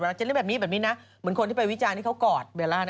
แบบนี้นะเหมือนคนที่ไปวิจารณ์ที่เขากอดเวลานะ